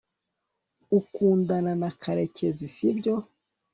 ukundana na karekezi, sibyo